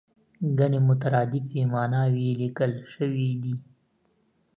ګڼې مترادفې ماناوې یې لیکل شوې دي.